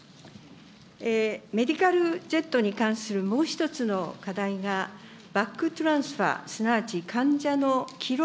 メディカルジェットに関するもう１つの課題が、バックトランスファー、すなわち患者の帰路